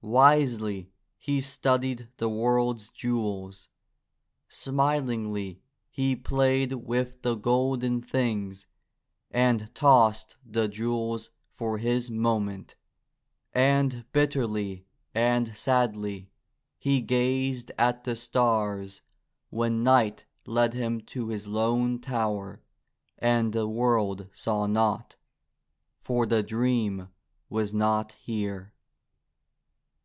Wisely he studied the world's jewels; smilingly he played with the golden things and tossed the jewels for his moment, and bitterly and sadly he gazed at the stars when night led him to his lone tower, and the world saw not. For the dream was not here.